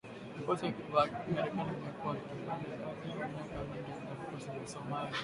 Vikosi vya Marekani vimekuwa vikifanya kazi kwa miaka mingi na vikosi vya Somalia